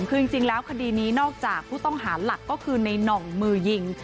คือจริงแล้วคดีนี้นอกจากผู้ต้องหาหลักก็คือในน่องมือยิง